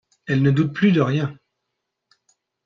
Elles ne doutent plus de rien.